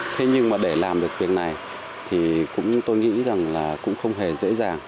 thế nhưng mà để làm được việc này thì tôi nghĩ rằng là cũng không hề dễ dàng